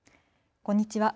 こんにちは。